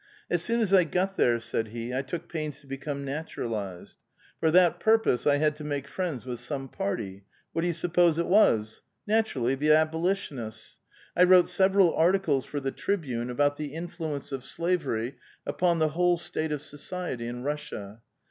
"As soon as I got there," said he, "I took pains to become naturalized. For that purpose, I had to make friends with some party. What do j'ou suppose it was? Naturally, the Abolitionists. 1 wrote several articles for the Tribune about the influence of slavery upon the whole state of societ}' in Russia.